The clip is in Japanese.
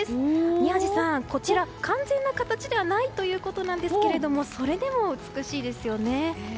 宮司さん、こちら完全な形ではないということですがそれでも美しいですよね。